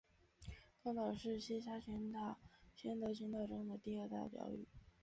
东岛是西沙群岛宣德群岛中的第二大的岛屿。